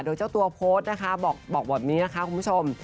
โดยเจ้าตัวโพสต์นะคะบอกแบบนี้นะคะคุณผู้ชม